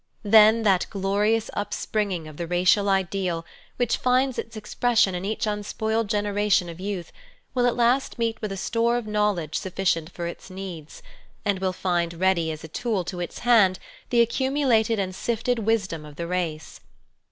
Then that glorious upspringing of the racial ideal, which finds its expression in each unspoiled generation of youth, will at last meet with a store of knowledge sufficient for its needs, and will find ready as a tool to its hand the accumulated and sifted wisdom of the race.